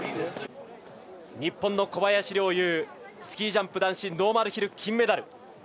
日本の小林陵侑スキージャンプ男子ノーマルヒル金メダル。